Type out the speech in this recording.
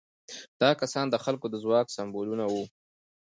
دغه کسان د خلکو د ځواک سمبولونه وو.